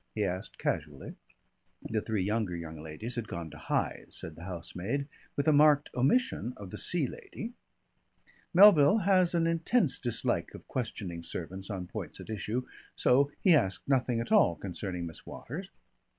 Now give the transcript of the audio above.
he asked casually. The three younger young ladies had gone to Hythe, said the housemaid, with a marked omission of the Sea Lady. Melville has an intense dislike of questioning servants on points at issue, so he asked nothing at all concerning Miss Waters.